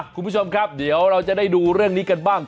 คุณผู้ชมครับเดี๋ยวเราจะได้ดูเรื่องนี้กันบ้าง